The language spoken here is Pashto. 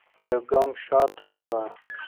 يوګام شاته سوه.